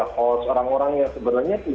hos orang orang yang lima beneran semua kub ponto